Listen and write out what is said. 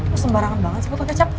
lo sembarangan banget sih betul kacap